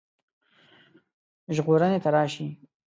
ژغورني ته راشي.